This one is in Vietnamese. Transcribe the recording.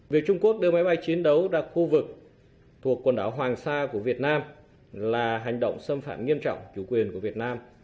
việc trung quốc đưa máy bay chiến đấu ra khu vực thuộc quần đảo hoàng sa của việt nam là hành động xâm phạm nghiêm trọng chủ quyền của việt nam